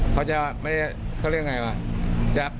เขาจะ